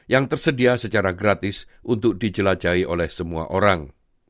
yang tersedia secara gratis untuk dijelajahi oleh semua orang